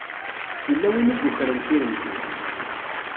Yella win i yukren tiremt-iw.